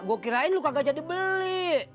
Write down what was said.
gue kirain lo kagak jadi beli